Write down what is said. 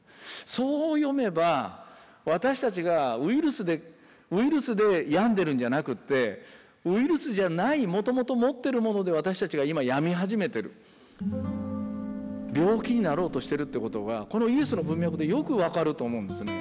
そう読めば私たちがウイルスで病んでるんじゃなくってウイルスじゃないもともと持ってるもので私たちが今病み始めてる病気になろうとしてるってことがこのイエスの文脈でよく分かると思うんですね。